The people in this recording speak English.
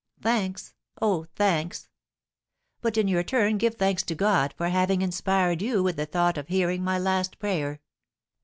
Thanks, oh, thanks! But in your turn give thanks to God for having inspired you with the thought of hearing my last prayer!